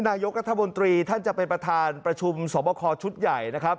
นายกรัฐมนตรีท่านจะเป็นประธานประชุมสอบคอชุดใหญ่นะครับ